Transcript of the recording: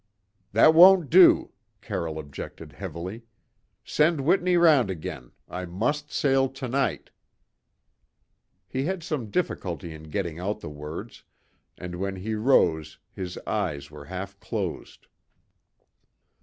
"That won't do," Carroll objected heavily. "Send Whitney round again; I must sail to night." He had some difficulty in getting out the words, and when he rose his eyes were half closed.